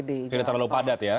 tidak terlalu padat ya